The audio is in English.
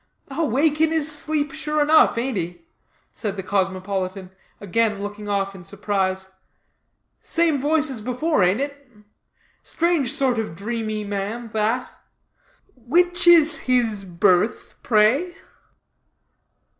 "Awake in his sleep, sure enough, ain't he?" said the cosmopolitan, again looking off in surprise. "Same voice as before, ain't it? Strange sort of dreamy man, that. Which is his berth, pray?"